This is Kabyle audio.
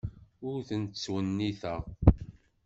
Ur tent-ttwenniteɣ.